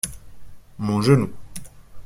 Mon genou.